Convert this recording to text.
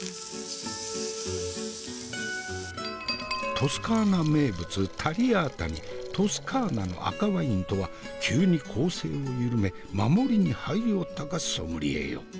トスカーナ名物タリアータにトスカーナの赤ワインとは急に攻勢を緩め守りに入りおったかソムリエよ。